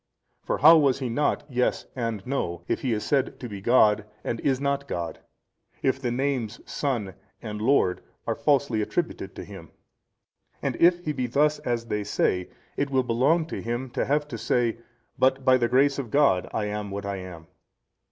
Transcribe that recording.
For how was He not Yes and No, if He is said to be God and is not God? if the names SON and LORD are falsely attributed to Him? and if He be thus as they say, it will belong to Him to have to say, But by the grace of God I am what I am.